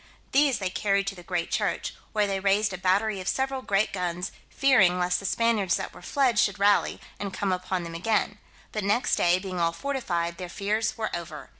These they carried to the great church, where they raised a battery of several great guns, fearing lest the Spaniards that were fled should rally, and come upon them again; but next day, being all fortified, their fears were over.